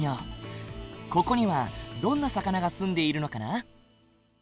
ここにはどんな魚が住んでいるのかな？